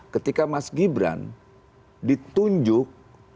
ketika mas gibran ditunjuk